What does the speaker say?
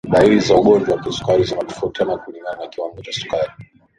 dalili za ugonjwa wa kisukari zinatofautiana kulingana na kiwango cha sukari